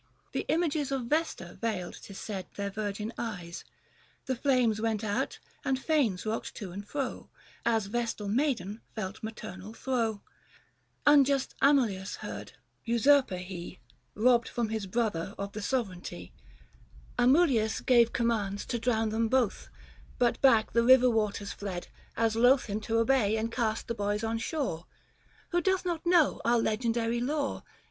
The images Of Vesta veiled, 'tis said, their virgin eyes : 50 The flames went out, and i'anes rocked to and fro, As Vestal maiden felt maternal throe ! Unjust Amulius heard ; usurper he, Robbed from his brother, of the sovereignty. Book III. THE FASTI. VJ Amulius gave commands to drown them both, 55 But back the river waters fled, as loth Him to obey and cast the boys on shore. Who doth not know our legendary lore